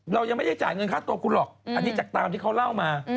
เรายังไม่ได้จ่ายเงินค่าตัวคุณหรอกอันนี้จากตามที่เขาเล่ามา